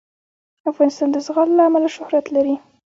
افغانستان د زغال له امله شهرت لري.